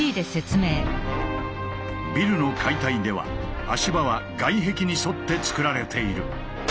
ビルの解体では足場は外壁に沿ってつくられている。